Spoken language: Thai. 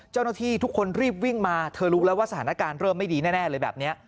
เจ้าหน้าที่ทุกคนรีบวิ่งมาเธอรู้แล้วว่าสถานการณ์เริ่มไม่ดีแน่เลยแบบนี้